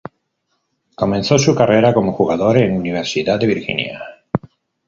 Comenzó su carrera como jugador en Universidad de Virginia.